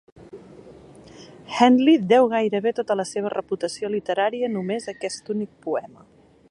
Henley deu gairebé tota la seva reputació literària només a aquests únic poema.